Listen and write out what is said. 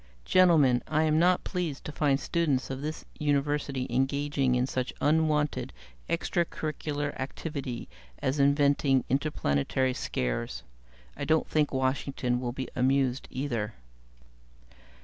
"Gentlemen, I am not pleased to find students of this University engaging in such unwanted extra curricular activity as inventing interplanetary scares. I don't think Washington will be amused, either."